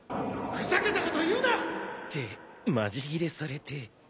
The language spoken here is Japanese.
ふざけたこと言うな！ってマジギレされて。